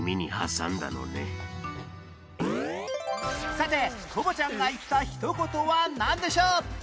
さてコボちゃんが言ったひと言はなんでしょう？